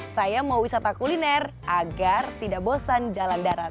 saya mau wisata kuliner agar tidak bosan jalan darat